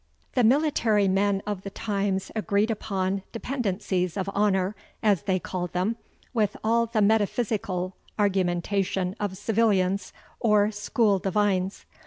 The military men of the times agreed upon dependencies of honour, as they called them, with all the metaphysical argumentation of civilians, or school divines.